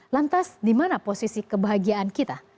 lantas di mana posisi kebahagiaan kita